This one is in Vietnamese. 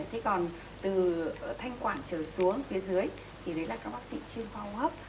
thế còn từ thanh quản trở xuống phía dưới thì đấy là các bác sĩ chuyên phong hấp